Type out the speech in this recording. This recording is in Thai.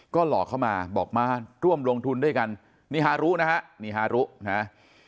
ก็หลอกเข้ามาบอกมาร่วมลงทุนด้วยกันนี่ฮารุนะฮะนี่ฮารุนะฮะ